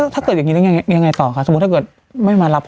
ถ้าเกิดอย่างนี้แล้วยังไงต่อคะสมมุติถ้าเกิดไม่มารับ